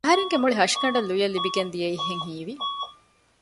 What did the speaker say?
އަހަރެންގެ މުޅި ހަށިގަނޑަށް ލުޔެއް ލިބިގެންދިޔަހެން ހީވި